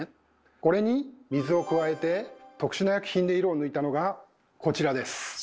これに水を加えて特殊な薬品で色を抜いたのがこちらです。